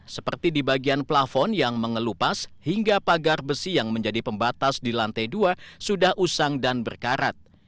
seperti di bagian plafon yang mengelupas hingga pagar besi yang menjadi pembatas di lantai dua sudah usang dan berkarat